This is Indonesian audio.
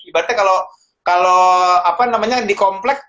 ibaratnya kalau di kompleks